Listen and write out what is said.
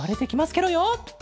ケロよ。